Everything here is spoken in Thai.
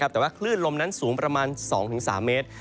แต่ว่าคลื่นลมนั้นสูงประมาณ๒๓เมตร